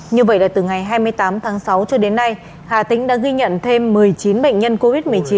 như vậy là từ ngày hai mươi tám tháng sáu cho đến nay hà tĩnh đã ghi nhận thêm một mươi chín bệnh nhân covid một mươi chín